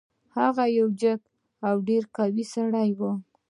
هغه یو جګ او ډیر قوي سړی و.